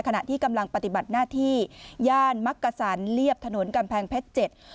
ขณะที่กำลังปฏิบัติหน้าที่ย่านมักกษันเรียบถนนกำแพงเพชรเจ็ด